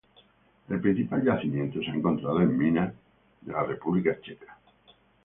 El principal yacimiento se ha encontrado en minas de la República checa.